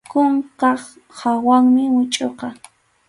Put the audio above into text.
Kunkap hawanmi muchʼuqa.